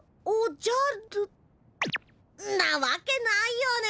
んなわけないよね！